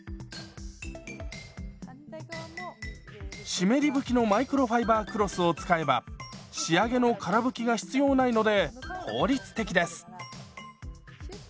湿り拭きのマイクロファイバークロスを使えば仕上げのから拭きが必要ないので効率的です。